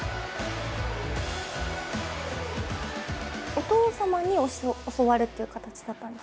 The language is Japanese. お父様に教わるっていう形だったんですか？